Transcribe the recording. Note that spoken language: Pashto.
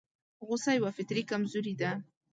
غوسه يوه فطري کمزوري ده.